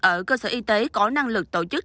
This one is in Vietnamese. ở cơ sở y tế có năng lực tổ chức